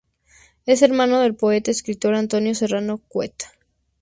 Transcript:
Es hermano del poeta y escritor Antonio Serrano Cueto.